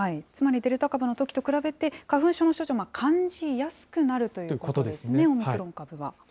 つまりデルタ株のときと比べて、花粉症の症状が感じやすくなるということですね、オミクロン株は。